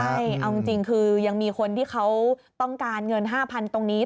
ใช่เอาจริงคือยังมีคนที่เขาต้องการเงิน๕๐๐๐ตรงนี้